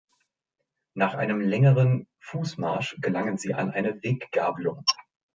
Nach einem längeren Fußmarsch gelangen sie an eine Weggabelung.